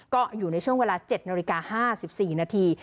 ก็อยู่ในช่วงเวลา๗นาฬิกา๕๔นาที